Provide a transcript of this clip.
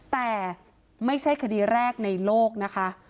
แต่ไม่ใช่คดีแรกในโลกนะคะ